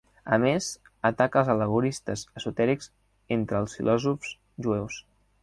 A més, ataca els al·legoristes esotèrics entre els filòsofs jueus.